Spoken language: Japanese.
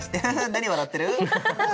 何笑ってる？